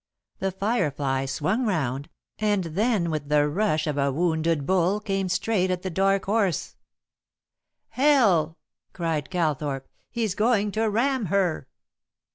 The Firefly swung round, and then with the rush of a wounded bull came straight at The Dark Horse. "Hell!" cried Calthorpe, "he's going to ram her."